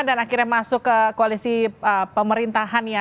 dan akhirnya masuk ke koalisi pemerintahan ya